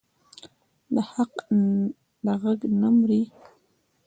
د حق غږ نه مري